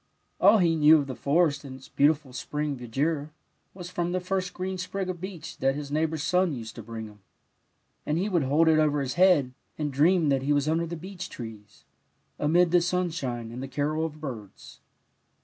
All he knew of the forest and its beautiful spring verdure was from the first green sprig of beech that his neighbour's son used to bring him, and he would hold it over his head, and dream that he was under the beech trees, amid the sim shine and the carol of birds.